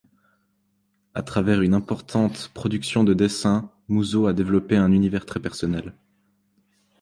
À travers une importante production de dessins Muzo a développé un univers très personnel.